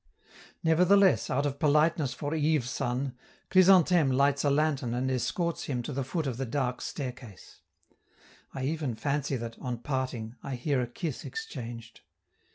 Nevertheless, out of politeness for Yves San, Chrysantheme lights a lantern and escorts him to the foot of the dark staircase. I even fancy that, on parting, I hear a kiss exchanged.